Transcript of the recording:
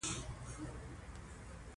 افغانستان د سرحدونه له مخې پېژندل کېږي.